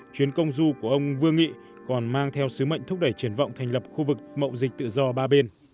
chuyến công du của ông vương nghị còn mang theo sứ mệnh thúc đẩy triển vọng thành lập khu vực mậu dịch tự do ba bên